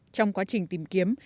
trong quá trình tìm kiếm